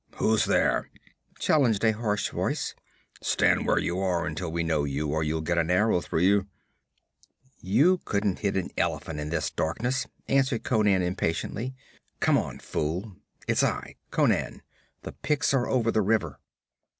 'Who's there?' challenged a harsh voice. 'Stand where you are until we know you, or you'll get an arrow through you.' 'You couldn't hit an elephant in this darkness,' answered Conan impatiently. 'Come on, fool; it's I Conan. The Picts are over the river.'